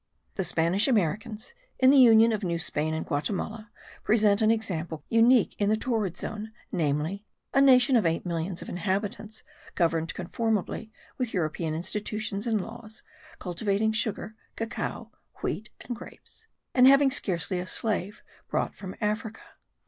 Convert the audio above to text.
The Spanish Americans, in the union of New Spain and Guatimala, present an example, unique in the torrid zone, namely, a nation of eight millions of inhabitants governed conformably with European institutions and laws, cultivating sugar, cacao, wheat and grapes, and having scarcely a slave brought from Africa.